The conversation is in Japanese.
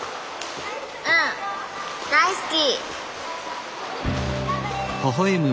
うん大好き！